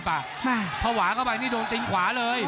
ภูตวรรณสิทธิ์บุญมีน้ำเงิน